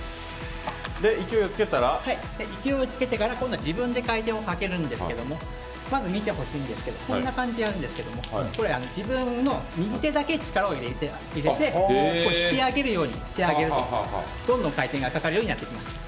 勢いをつけてから今度は自分で回転をつけるんですけどまず見てほしいんですがこんな感じですが自分の右手だけ力を入れて引き上げるようにしてあげるとどんどん回転がかかるようになってきます。